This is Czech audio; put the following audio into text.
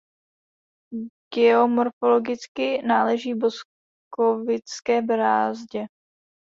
Geomorfologicky náleží Boskovické brázdě.